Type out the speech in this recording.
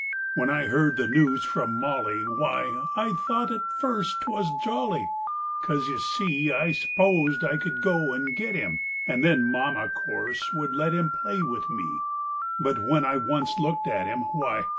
When I heard the news from Molly, Why, I thought at first 't was jolly, 'Cause, you see, I s'posed I could go and get him And then Mama, course, would let him Play with me. But when I had once looked at him, "Why!"